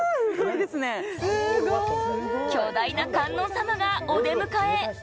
巨大な観音様がお出迎え。